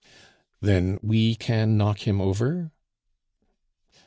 "Then we can knock him over?"